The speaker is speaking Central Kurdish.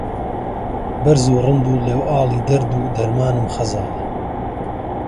بەرز و ڕند و ڵێوئاڵێ دەرد و دەرمانم خەزاڵێ